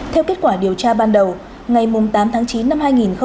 theo kết quả điều tra ban đầu ngày tám tháng chín năm hai nghìn hai mươi ba